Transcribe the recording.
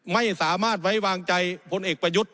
ไม่สามารถไว้วางใจพลเอกประยุทธ์